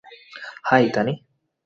High, Tani.